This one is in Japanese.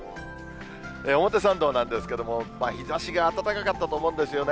表参道なんですけれども、日ざしが暖かったと思うんですよね。